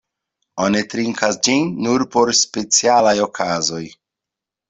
Oni trinkas ĝin nur por specialaj okazoj.